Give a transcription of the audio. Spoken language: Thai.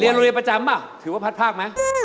เรียนโรยประจำป่ะถือว่าพัดภาคมั้ย